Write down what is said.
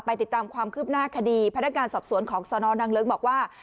ติดตามความคืบหน้าคดีพนักงานสอบสวนของสนนางเลิ้งบอกว่า